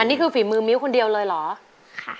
นี่คือฝีมือมิ้วคนเดียวเลยเหรอ